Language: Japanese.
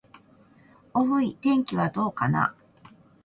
おーーい、天気はどうかな。